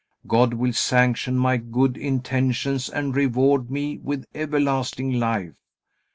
God will sanction my good intentions and reward me with everlasting life.